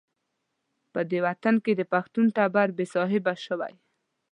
په دې وطن کې د پښتون ټبر بې صاحبه شوی.